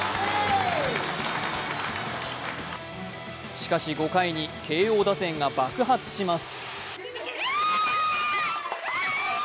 しかし５回に慶応打線が爆発します。